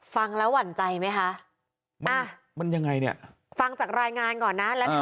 ฟังแล้วหวั่นใจไหมคะมามันยังไงเนี่ยฟังจากรายงานก่อนนะแล้วเนี่ย